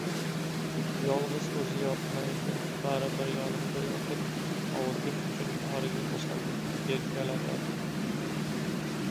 «Yolg‘iz o‘zi yotmaydi, baribir yonimga yotib, ovutish uchun bag‘riga bosadi, erkalatadi…»